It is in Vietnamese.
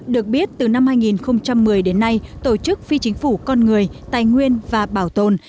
được biết từ năm hai nghìn một mươi đến nay tổ chức phi chính phủ con người tài nguyên và bảo tồn